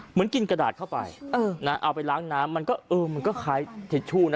เหมือนกินกระดาษเข้าไปเอาไปล้างน้ำมันก็เออมันก็คล้ายทิชชู่นะ